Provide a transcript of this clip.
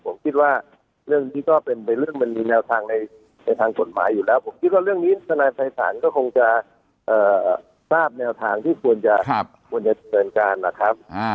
ผมคิดว่าเรื่องนี้ก็เป็นเรื่องมันมีแนวทางในทางกฎหมายอยู่แล้วผมคิดว่าเรื่องนี้ทนายภัยศาลก็คงจะทราบแนวทางที่ควรจะควรจะเดินการนะครับ